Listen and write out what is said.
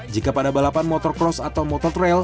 jika pada balapan motocross atau mototrail